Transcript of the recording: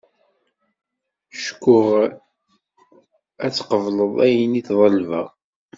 Ckuh ad tqebled ayenni ṭelbeɣ.